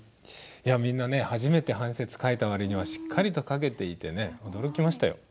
いやみんな初めて半切書いた割にはしっかりと書けていてね驚きましたよ。